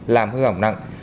làm hư hỏng nặng